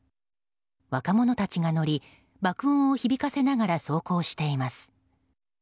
若者たちが乗り爆音を響かせながら走行しています。